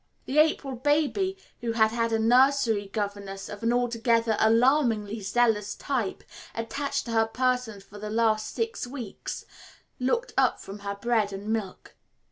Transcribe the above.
The April baby, who has had a nursery governess of an altogether alarmingly zealous type attached to her person for the last six weeks, looked up from her bread and milk.